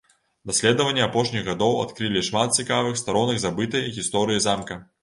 Даследаванні апошніх гадоў адкрылі шмат цікавых старонак забытай гісторыі замка.